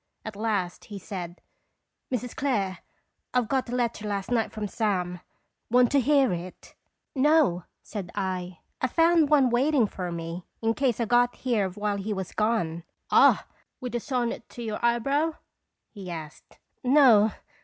At last he said: "Mrs. Clare, I got a letter last night from Sam. Want to hear it?" " No," said I ;" I found one waiting for me, in case I got here while he was gone." "Ah! with a sonnet to your eyebrow?" he asked. " No.